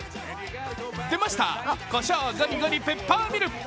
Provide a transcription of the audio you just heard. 出ました、こしょうゴリゴリペッパーミル！